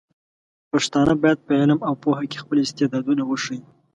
پښتانه بايد په علم او پوهه کې خپل استعدادونه وښيي.